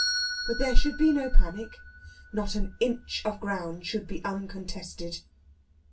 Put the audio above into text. But there should be no panic. Not an inch of ground should be uncontested.